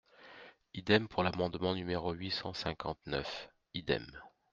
Idem pour l’amendement numéro huit cent cinquante-neuf ? Idem.